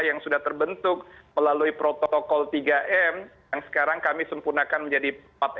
yang sudah terbentuk melalui protokol tiga m yang sekarang kami sempurnakan menjadi empat